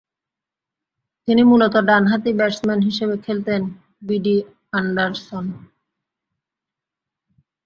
তিনি মূলতঃ ডানহাতি ব্যাটসম্যান হিসেবে খেলতেন বিডি অ্যান্ডারসন।